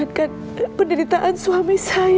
dan mengingatkan penderitaan suami saya